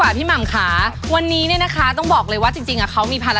สวัสดีค่ะสวัสดีครับสวัสดีครับสวัสดีครับ